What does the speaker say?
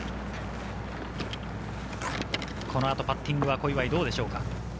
この後、パッティングはどうでしょうか。